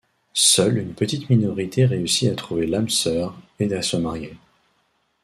Seule une petite minorité réussit à trouver l’âme sœur et à se marier.